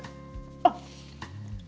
あっ！